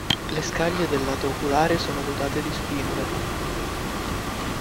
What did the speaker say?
Le scaglie del lato oculare sono dotate di spinule.